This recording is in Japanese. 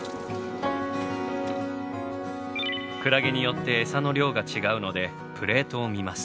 クラゲによってエサの量が違うのでプレートを見ます。